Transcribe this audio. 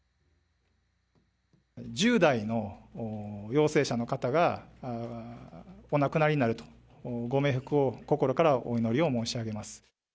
１０代の陽性者の方が、お亡くなりになると、ご冥福を心からお祈りを申し上げます。